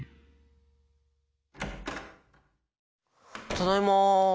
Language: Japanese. ・ただいま。